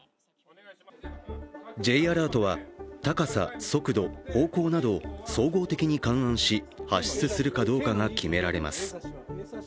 Ｊアラートは高さ、速度、方向などを総合的に勘案し、発出するかどうかが決められます。